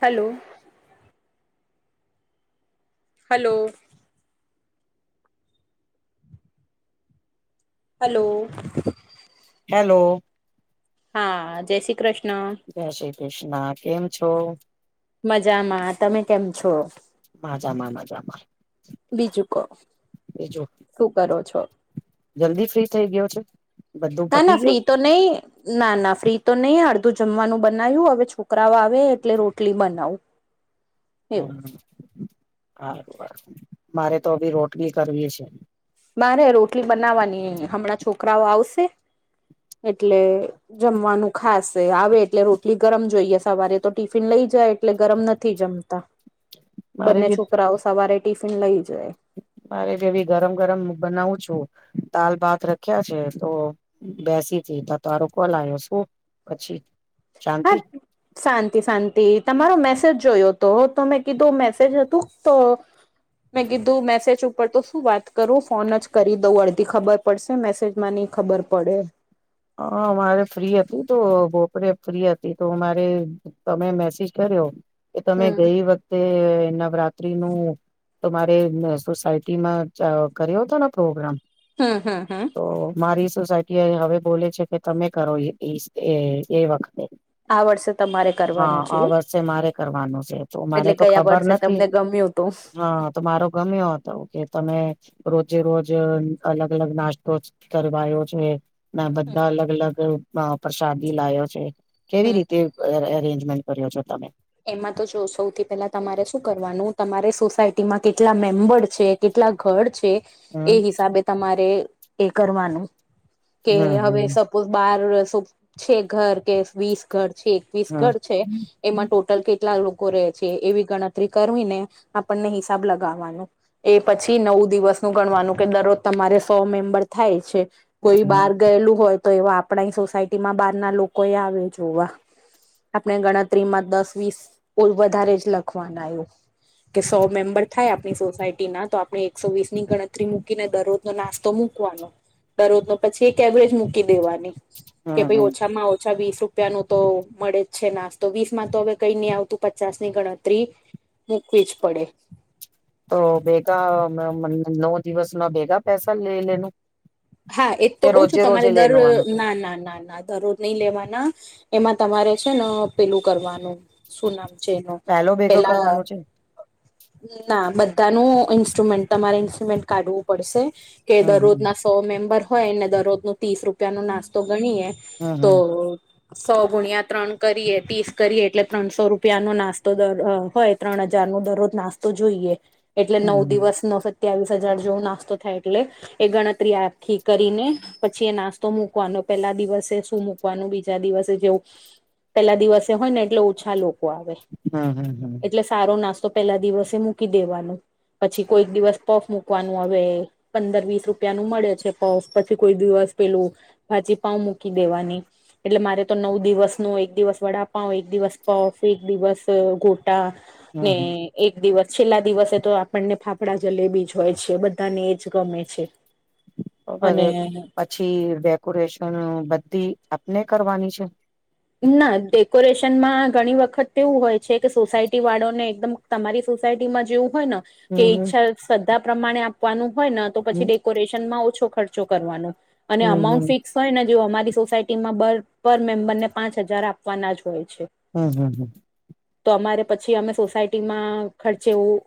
Hello hello hello hello હા જેસી ક્રષ્ન જેશી ક્રિશ્ન કેમ છો? મજામાં તમે કેમ છો માજામાં મજામાં બીજું કો બીજું શું કરો છો જલ્દી ફ્રી થઇ ગયો છે બધું ના પતી ના ગયું ફ્રી તો નહી ના ના ફ્રી તો નહી અડધું જમવાનું બનાવ્યું હવે છોકરાઓ આવે એટલે રોટલી બનાવું એવું હમ સારું સાર મારે તો ભી રોટલી કરવી છે મારે રોટલી બનાવવાની હમણાં છોકરાઓ આવશે એટલે જમવાનું ખાસ આવે એટલે રોટલી ગરમ જોઈએ સવારે તો ટિફિન લઈ જાય એટલે ગરમ નથી જમતા મારે બંને બી છોકરાઓ સવારે ટિફિન લઈ જાય મારે કેવી ગરમ ગરમ બનાવું છું દાલ ભાત રખ્યા છે તો બેસીથી ત તરોો કોલ આવ્યો શું પછી હા શાંતિ શાંતિ શાંતિ તમારો મેસેજ જોયો હતો તો મેં કીધું મેસેજ હતું તો મેં કીધું મેસેજ ઉપર તો શું વાત કરું ફોન જ કરી દઉં અડધી ખબર પડશે મેસેજ માંની ખબર પડે હ મારે ફ્રી હતી તો બોપરેે ફ્રી હતી તો મારે તમે મેસેજ કર્યો કે તમે હમ ગઈ વખતે નવરાત્રી નું તો મારે સોસાયટીમાં કર્યો હતો ને પ્રોગ્રામ હમ હમ હમ તો મારી સોસાયટી હવે બોલે છે કે તમે કરો એ વખતે આ વર્ષે તમારે હા કરવાનું આ છેું વર્ષે મારે કરવાનું છે તો મારે તો ખબર વર્ષે નથી તમને ગમ્યું હતું હા તો મારો ગમે એ હતો કે તમે રોજે રોજ અલગ અલગ નાસ્તો ત ભાઈ વચ મે ના બધા હમ અલગ અલગ પ્રસાદી લો છે કેવી રીતે હમ એરેન્જમેન્ટ કર્યો છો તમે એમાં તો જો સૌથી પેલા તમારે શું કરવાનું તમારે સોસાયટીમાં કેટલા મેમ્બર છે કેટલા ઘર છે એ હમ હિસાબે તમારે એ કરવાનું કે હવે હમ સપોઝ બાર શ છે ઘર કે વીસ ઘર છે હમ વિસગળ છે હમ એમાં લ કેટલા લોકો રહે છે એવી ગણતરી કરવીને આપણને હિસાબ લગાવવાનો એ પછી નવ દિવસનું ગણવાનું કે દરરોજ તમારે સો મેમ્બર થાય છે કોઈ હમ બહાર હમ ગયેલું હોય તો એવા આપણા સોસાયટીમાં બહાર ના લોકો એ આવે જોવા આપણે ગણતરીમાં દસ વીસ વધારે જ લખવાનું આવ્યું કે સો મેમ્બર થાય આપણી સોસાયટી ના તો આપણે એકસો વીસ ની ગણતરી મૂકીને દરરોજ નાસ્તો મું કવા ન દરરોજ ન પછી એક એવરેજ મૂકી દેવાની કે હમ ભાઈ હમ ઓછામાં ઓછા વીસ રૂ રૂપિયા નું તો મળે જ છે નાસ્તો વીસ માં તો હવે કઈ નહી આવતું પચાસ ની ગણતરી મૂકવી જ પડે તો ભેગા નવ દિવસ ના ભેગા પેસા લે લેનું હા એ તો કે કઉ છું રોજે તમારે રોજે દર લેવાનું છે ના ના ના ના દરરોજ નઈ લેવાના એમાં તમારે છે ને પેલું કરવાનું શું નામ છે ન પહેલો ભેગો પેલા કરવાનો છે ના બધાનું ઇન્સ્ટ્રુમેન્ટ તમારે ઈન્સ્ટ્રુમેન્ટ કાઢવું પડશે કે હમ હમ દરરોજના સો મેમ્બર હોય ને દરરોજ ન ત્રીસ રૂપિયા નો નાસ્તો ગણીએ તો હમ સો ગુણ્યા ત્રણ કરીએ ત્રીસ કરીએ એટલે ત્રણસો રૂપિયાનોો નાસ્તો દર હોય ત્રણ હજાર નો દરરોજ નાસ્તો જોઈએ એટલે નવ હમ દિવસ નવ સત્યાવીસ હજાર જેવો નાસ્તો થાય એટલે એ ગણતરી આ થી કરીને પછી એ નાસ્તો મુૂકવાનો પેલા દિવસે શું મૂકવાનું બીજા દિવસે જેવું પેલા દિવસે હોય ને એટલે ઓછા લોકો આવે. હમ હમ હમ હમ એટલે સારો નાસ્તો પેલા દિવસે મૂકી દેવાનો. પછી કોઈક દિવસ પોફ મુૂકવાનું હવે પંદર વીસ રૂપ રૂપિયાનું મળે છે પઉ પછી કોઈ દિવસ પેલું ભાછ પાઉ મૂકી દેવાની એટલે મારે તો નવ દિવસ નું એક દિવસ વડાપાાવ એક દિવસ પફ એક દિવસ ગોટ ટા હમ ને હમ એક દિવસ છેલ્લા દિવસે તો આપણને ફાફડા જલેબી જ હોય છે બધાને એજ ગમે છે. અને [inaudible] પછી ડેકોરેશન બધી આપને કરવાની છે? ના ડેકોરેશનમાં ઘણી વખત એવું હોય છે કે સોસાયટીવાળો ને એકદમ તમારી સોસાયટીમાં જેવું હોય ન કે હમ ઈચ્છા, શ્રદ્ધા પ્રમાણે આપવાનું હોય ન તો પછી હમ ડેક કોરેશનમાં ઓછો ખર્ચો કરવાનો. અને હમ હમ અમાઉન્ટ હમ ફિક્સ હોય ને જેવું અમારી સોસાયટી માં બ પર મેમ્બરને પાંચ હજાર આપવાના જ હોય છે. હમ હમ હમ તો અમારે પછી અમે સોસાયટીમાં ખર્ચે એવું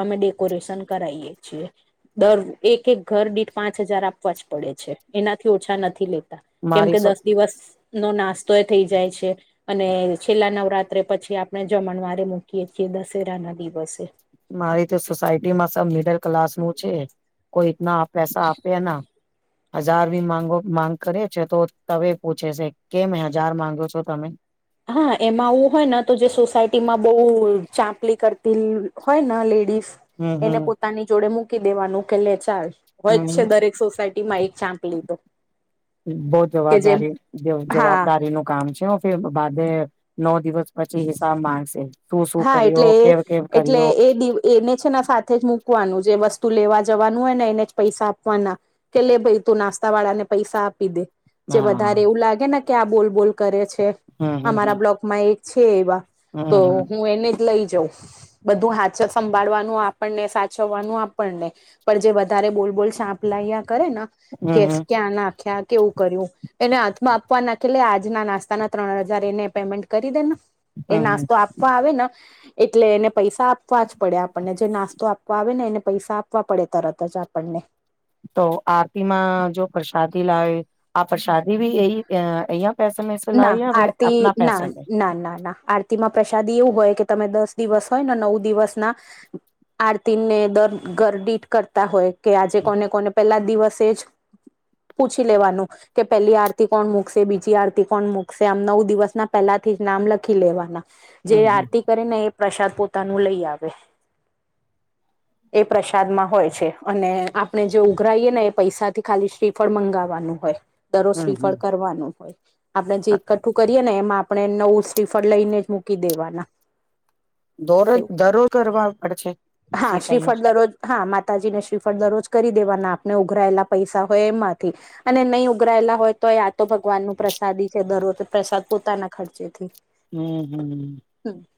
અમે ડેકોરેશન કરાઈએ છીએ. દર એક એક ઘર દીઠ પાંચ હજાર આપવા જ પડે છે. એનાથી ઓછા નથી લેત તા કેમ મારી કે સો દસ દિવસ નો નાસ્તો એ થઇ જાય છે. અને છેલ્લા નવરાત્રે પછી આપણે જમણવારે મૂકીએ છીએ દશેરાના દિવસે. મારી તો સોસાયટીમાં સબ મીડલ ક્લાસનું છે. કોઈક માં આ પૈસા આપે ના. હજાર બી માંગો માંગ કરે છે તો તવે પૂછે છે કેમ હજાર માંગો છો તમે. હા એમાં આવું હોય ને તો જે સોસાયટીમાં બહુ ચાંપલી કરતી હોય ન લેડીઝ હમ એને હમ. પોતાની જોડે મૂકી દેવાનું કે લે ચાલ. હોય જ છે હમ દરેક સોસાયટીમાં એક ચાંપલી તો. બહુ કે જે જવાબદારી જ હા જવાબદારીનું કામ છે હો. તે બાદે નવ દિવસ પછી હિસાબ માંગશે. શું શું હા કર્યો એટલે કેવ કેવ એટલે કર્યો. એ દિવ એને છે ને સાથે જ મૂકવાનું જે વસ્તુ લેવા જવાનું હોય ને એને જ પૈસા આપવાના. કે લે ભઈ તું નાસ્તાવાળા ને પૈસા આપી દે. જે હા વધારે એવું લાગે ને કે આ બોલ બોલ કરે છે હમ હમ હમ અમારા બ્લોકમાં એક છે એવા. તો હમ હમ. હું એને જ લઈ જઉં. બધું હાચ સંભાળવાનું આપણને સાચવવાનું આપણને પણ જે વધારે બોલ બોલ ચાપલાયા કરે ન હમ કે હમ ક્યાં નાખ્યા કેવું કર્યું એને હાથમાં આપવા ના કે લે આજના નાસ્તાના ત્રણ હજાર એને પેમેન્ટ કરી દે ને. એ હમ હમ નાસ્તો આપવા આવે ન એટલે એને પૈસા આપવા જ પડે આપણને જે નાસ્તો આપવા આવે ને એને પૈસા આપવા પડે તરત જ આપણને. તો આરતીમાં જો પ્રસાદી લાવે આ પ્રસાદી ભી એઈ એ અહીંયા ના આરતી ના પે ના ના ના આર તીમાં પ્રસાદી એવું હોય કે તમે દસ દિવસ હોય ન નવ દિવસના આરતીને દર ઘરદિઠ કરતા હોય. કે આજે હમ કોને કોને પેલા દિવસે જ પૂછી લેવાનું કે પેલી આરતી કોણ મુકશે, બીજી આરતી કોન મુકશે, આમ નવ દિવસના પહેલાથી જ નામ લખી લેવાના. જે હમ આરતી કરે ને એ પ્રસાદ પોતાનું લઈ આવે. એ પ્રસાદમાં હોય છે. અને આપણે જે ઉઘરાઈએ ને એ પૈસાથી ખાલી શ્રી ફળ મંગાવાનું હોય. દરરોજ હમ હમ શ્રીફળ કરવાનું હોય. આપણે જે એકઠું કરીએ ને એમાં આપણે નવ શ્રીફળ લઈને જ મૂકી દેવાના. દોરો એવું દરો કરવા પડછે હા શ્રીફલનું? શ્રીફળ દરરોજ હા માતાજીને શ્રીફળ દરરોજ કરી દેવાના આપને ઉઘરાયેલા પૈસા હોય એમાંથી. અને નહીં ઉઘરાયેલા હોય તો આ તો ભગવાન ન પ્રસાદ છે દરોજ પ્રસાદ પોતાના ખર્ચેથી હમ હમ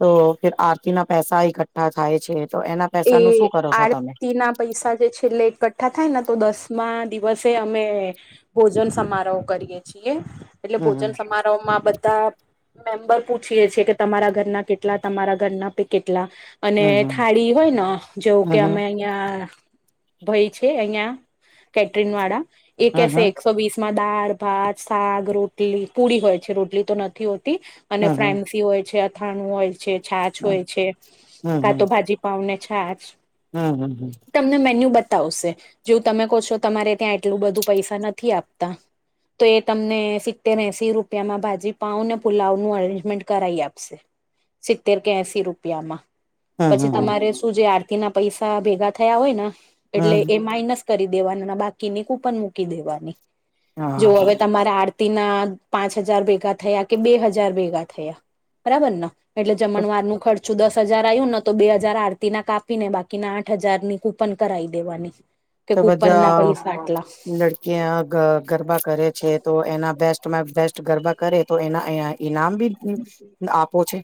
તો ફર આરતી ના પૈસા એકઠ્ઠા થાય છે તો એના પૈસાનું એ શું કરો છો તમે આરતી ના પૈસા જે છેલ્લે એકઠ્ઠા થાય ન તો દસમાં દિવસે અમે ભોજન સમારોહ કરીએ છીએ. એટલે ભોજન હમ સમારોહમાં બધા મેમ્બર પૂછીએે છીએ કે તમારા ઘરના કેટલા તમારા ઘરના પે કેટલા. અને હમ હમ થાળી હોય ન જેવું કે હમ અમે અહીં અ ભઈ છે અહિયાં કેટરીનવાળા એ હમ કેશે હમ તો વીસ માં દાળ ભાત શગ રોટલી પૂડી હોય છે રોટલી તો નથી હોતી. અને હમ ફ્રાન્સી હોય છે અથાણું હોય છે છાછ હમ હોય છે હમ કા હમ તો ભાજી પાવને છાછ. હમ હમ હમ. તમને મેન્યુ બતાવશે જેવું તમે કહો છો તમારે ત્યાં એટલું બધું પૈસા નથી આપતા. તો એ તમને સિત્તેર એશ રૂપિયામાં ભાજી પાઉ ને પુલાવનુંઅરેન્જમેન્ટ કરાવાઈ આપશે. સિત્તેર કે એંસી રૂપિયામાં. હમ હમ પછી હમ હમ તમારે શું જે આરતી ના પૈસા ભેગા થયા હોય ને હમ એટલે હમ એ માઇનસ કરી દેવા ની બાકીની કૂપન મૂકી દેવાની જો હા હવે તમારે આ ના પાંચ હજાર ભેગા થયા કે બે હજાર ભેગા થયા બરાબર ને. એટલે જમણવારનું ખર્ચું દસ હજાર આવ્યું નને તો બે હજ હાર આરતી ના કપી ને બાકીના આઠ હજારની કુપન કરાવી દેવાની. કે કૂપન ના પૈસા આટલા ક્યા ગરબા કરે છે તો એના બેસ્ટમાં બેસ્ટ ગરબા કરે તો એના અ ઈનામ બી આપો છે.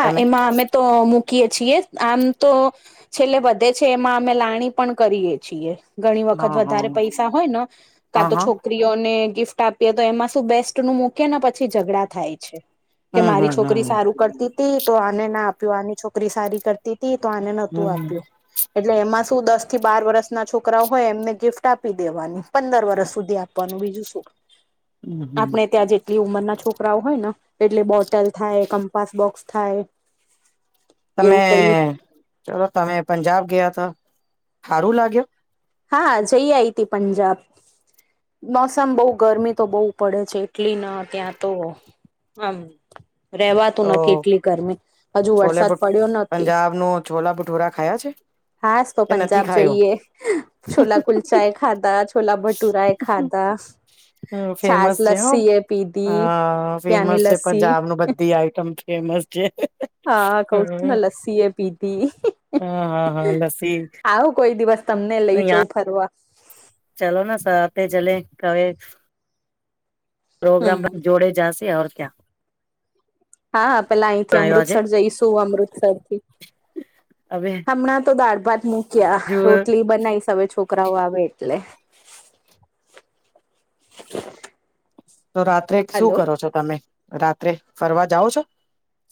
હા તમે એમાં અમે તો મૂકીય છીએ આમ તો. છેલ્લે વધે છે એમાં અમે લાણી પણ કરીએ છીએ. ઘણી વખત હા હા વધારે પૈસા હોય ને કા હા તો હા છોક સ્ત્રીઓને ગિફ્ટ આપીએ તો એમાં શું બેસ્ટ નું મૂકી ને પછી ઝઘડા થાય છે. કે હમ મારી હમ છોકરી હમ સારું કરતી હતી તો આને ના આપ્યો આની છોકરી સારી કરતી તો આને નહોતું હમ આપ્યું. એટલે એમાં શું દસ થી બાર વર્ષ ના છોકરા હોય એમને ગિફ્ટ આપી દેવાની પંદર વર્ષ સુધી આપ આપવાનું બીજું સું. હમ હમ આપણે ત્યાં જેટલી ઉંમરના છોકરાઓ હોય ને એટલે બોટલ થાય કમ્પાસ બોક્સ થાય. એવું તમે કઈ ચલો તમે પંજાબ ગયા તો હારું લાગ્યો. હા જઈ આઈ હતી પંજાબ. મોસમ બઉ ગરમી તો બહુ પડે છે એટલી ના ત્યાં તો હમ રેવાતું તો નથી એટલી ગરમી હજુ છોલે વરસાદ ભ પડ્યો નથી. પંજાબ નો છોલા ભટૂરા ખાયા છે. હાસ તો કે નથી પંજાબ ખાયો જઈએ છોલા કુલચા એ ખાધા છોલા ભટુરા એ ખાતા. હ ફેમસ છે હ પીધી ત્યાંની ફેમસ છે લસ્સી પંજાબ ન બધી આઈટમ ફેમસ છે. હા કઉ હ છું ને લસ્સી એ પીધી હા હા હા લસ્સી આવું કોઈ દિવસ તમને લઈ જઉં ફરવા. ચાલલો સાતે ચલે કવે. પ્રોગ્રામ હમ જોડે જંશે ક્યા. હા હા પેલા અહીંથી આવ્યો આજે અમૃતસર જઈશું અમૃતસર થી. હવે હમણાં તો દાળ ભાત મુૂક્યા જો રોટલી બનાવીશ હવે છોકરાઓ આવે એટલે તો રાત્રે શું હલો. કરો છો તમે રાત્રે ફરવા જાઓ છો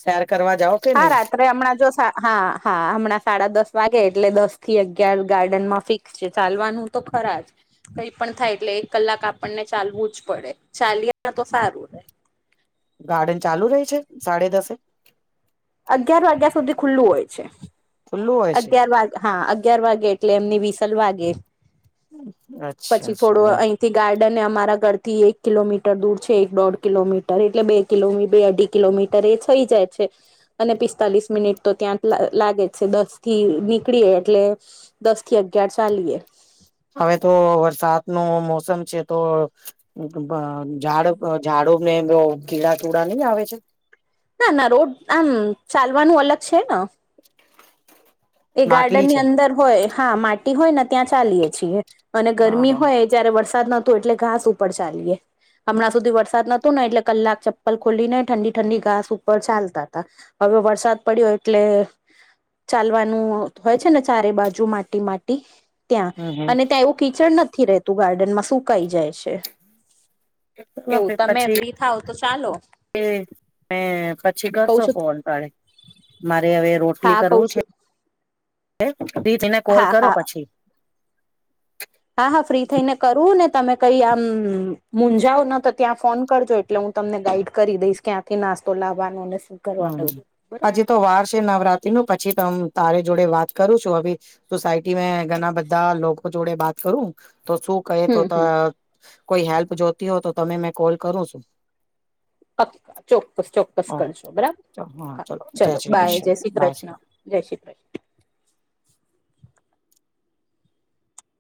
સેર કરવા જાઓ. કે હા નહી રાત. અત્ર હમણાં જો હા હા હમણાં સાડા દસ વાગે એટલે દસ થી અગયાર ગાર્ડન માં ફિક્સ ચાલવાનું તો ખરા જ કઈ પણ થાય એટલે એક કલાક આપણને ચાલવું જ પડે ચાલએ તો સારું રહે. ગાર્ડન ચાલુ રહી છે સાડે દસે અગિયાર વાગ્યા સુધી ખુલ્લું હોય છે. ખુલ્લું હોય છે અગિયાર વાગે હા અગિયાર વાગે એટલે એમની વિસલ વાગે અચ્છા પછી થોડો અચ્છા અહી થી ગાર્ડનને અમારા ઘરથી એક કિલોમીટર દૂર છે એક દોઢ કિલોમીટર એટલે બે કિલોમી બે અઢી કિલોમીટર એ થઈ જાય છે અને પિસ્તાલીસ મિનિટ તો ત્યાં જ લાગે જ છે દસ થી નીકળીએ એટલે દસ થી અગિયાર ચાલીએ હવે તો વરસાદ ન મોસમ છે તો ઝાડ ઝાડું ને બ કીડા ટુડા નહી આવે છે ના ના રોડ આમ ચાલવાનું અલગ છે ને એ ગાર્ડન માટલી ની છે અંદર હોય હા માટી હોય ને ત્યાં ચાલીય છીએ અને હા ગરમી હા હોય જયારે વરસાદ નતો એટલે ઘાસ ઉપર ચાએ હમણાં સુધી વરસાદ નોતો ને એટલે કલાક ચપ્પલ ખોલી ને ઠંડી ઠંડી ઘાસ ઉપર ચાલતા હતા હવે વરસાદ પડ્યો એટલે ચાલવાની હોય છે ને ચારે બાજુ માટી માટી ત્યાં હમ હમ અને ત્યાં એવું કીચડ નથી રહેત તું ગાર્ડનમાં સુકાઈ જાય છે ચલો એવું તમે પછી ફ્રી થાવ તો ચાલો મે પછી કઉ કરશો છું ફોન પાડે મારે હવે રોટલી હા કઉ કરવું છે છું પી તેને કોલ હા કરો હા પછી હા હા ફ્રી થઈને કરવું ને તમે કઈ આમ મુંજાવ ન તો ત્યાં ફોન કરજો એટલે હું તમને ગાઈડ કરી દઈશ ક્યાંથી નાસ્તો લાવવાનો ને શું હમ કરવાનું બરાબર હજી તો વાર છે નવરાત્રી નું પછી તો તારી જોડે વાત કરું છું હ સોસાયટી મે ઘણા બધા લોકો જોડે વાત કરું તો શું કહે તો હમ હમ કોઈ હેલ્પ જોતી હો તો તમે મેં કોલ કરું છું ચોક્કસ ચોક્કસ હ કરશો બરાબર હા ચલો જય ચલોો શ્રી બાય કૃષ્ણ જય શ્રી બાય કૃષ્ણ જય શ્રી કૃષ્ણ